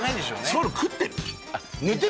そういうの食ってる？